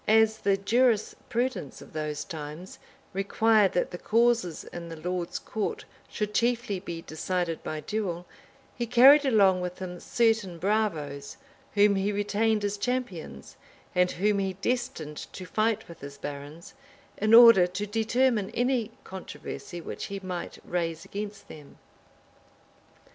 As the jurisprudence of those times required that the causes in the lord's court should chiefly be decided by duel, he carried along with him certain bravos, whom he retained as champions, and whom he destined to fight with his barons, in order to determine any controversy which he might raise against them.